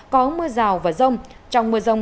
có mưa rào và rông trong mưa rông